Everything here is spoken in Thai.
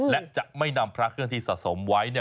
และจะไม่นำพระเครื่องที่สะสมไว้